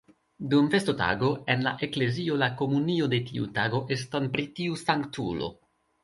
Dum festotago, en la eklezio la komunio de tiu tago eston pri tiu sanktulo.